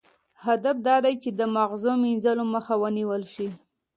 هدف دا دی چې د مغز مینځلو مخه ونیول شي.